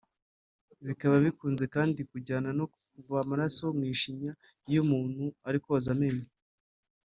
bikaba bikunze kandi kujyana no kuva amaraso mu ishinya iyo umuntu ari koza amenyo